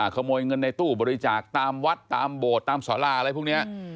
ขโมยเงินในตู้บริจาคตามวัดตามโบสถ์ตามสาราอะไรพวกนี้